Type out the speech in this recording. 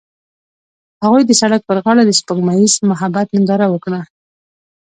هغوی د سړک پر غاړه د سپوږمیز محبت ننداره وکړه.